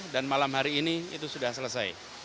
dan malam hari ini itu sudah selesai